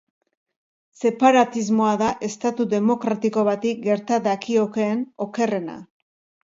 Separatismoa da estatu demokratiko bati gerta dakiokeen okerrena.